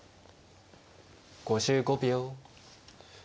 ５５秒。